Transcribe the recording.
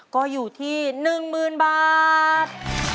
ก็อยู่ที่๑๐๐๐บาท